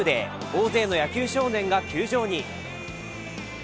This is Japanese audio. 大勢の野球少年が球場に。